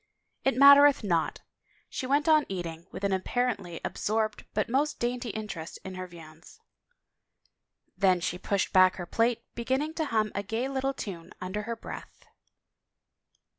" It mattereth not." She went on eating, with an ap parently absorbed but most dainty interest in her viands. Then she pushed back her plate, beginning to hum a gay little time under her breath.